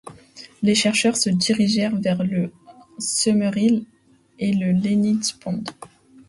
Les chercheurs se dirigèrent vers le Summerhill et le Leni’s Pond.